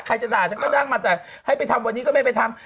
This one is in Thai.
จะด่าฉันก็นั่งมาแต่ให้ไปทำวันนี้ก็ไม่ไปทำ